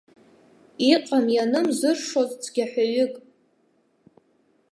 Иҟам-ианым зыршоз цәгьаҳәаҩык.